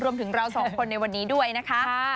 รวมถึงเราสองคนในวันนี้ด้วยนะคะ